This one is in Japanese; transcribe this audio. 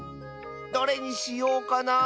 どれにしようかな？